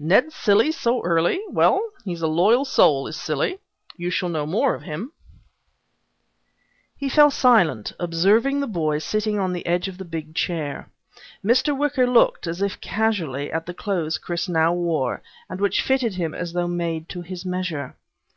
"Ned Cilley so early? Well, he is a loyal soul, is Cilley. You shall know more of him." He fell silent, observing the boy sitting on the edge of the big chair. Mr. Wicker looked, as if casually, at the clothes Chris now wore and which fitted him as though made to his measure.